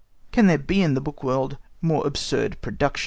Can there be in the book world more absurd productions?